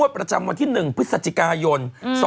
ประจำวันที่๑พฤศจิกายน๒๕๖๐๕๓๓๗๒๖